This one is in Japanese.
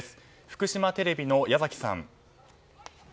福島テレビの矢崎さん。